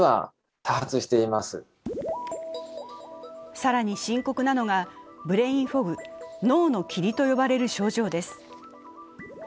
更に深刻なのがブレインフォグ＝脳の霧と呼ばれる症状です。